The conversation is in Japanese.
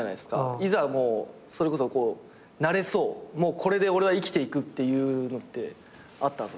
いざもうなれそうもうこれで俺は生きていくっていうのってあったんですか？